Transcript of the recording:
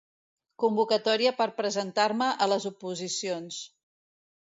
Convocatòria per presentar-me a les oposicions.